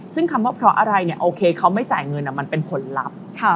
ซึ่งคำว่าเพราะอะไรเนี่ยโอเคเขาไม่จ่ายเงินมันเป็นผลลัพธ์